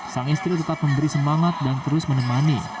sang istri tetap memberi semangat dan terus menemani